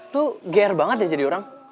lu g r banget ya jadi orang